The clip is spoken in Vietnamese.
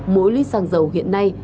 mỗi ly xăng dầu hiện nay